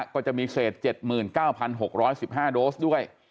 ก็จะมีขนาด๑๙๖๑๕โดซด้วย